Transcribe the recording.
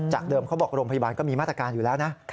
เดิมเขาบอกโรงพยาบาลก็มีมาตรการอยู่แล้วนะ